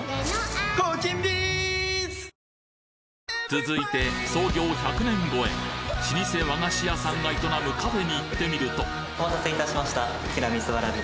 続いて創業１００年越え老舗和菓子屋さんが営むカフェに行ってみるとお待たせいたしました。